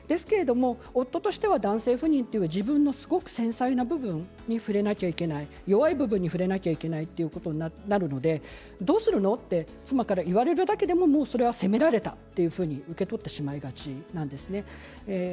夫としては男性不妊という自分の繊細な部分に触れなきゃいけない弱い部分に触れなきゃいけないということになるのでどうするの？と妻から言われるだけでも責められたというふうに受け取ってしまいがちなんですね。